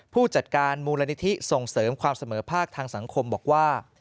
ผู้จัดการมูลนิธิส่งเสริมความเสมอภาคทางสังคมบอกว่า